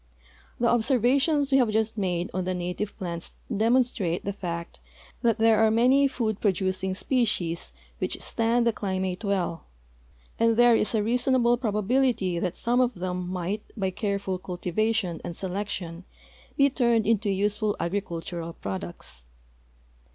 The observations we have just made on the native plants demonstrate the fact that there are man}^ food producing species which stand the climate well, and there is a reasonable probability that some of them might b}^ careful cultivation and selection be turned into useful agri cultural products.